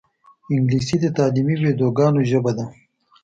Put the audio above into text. انګلیسي د تعلیمي ویدیوګانو ژبه ده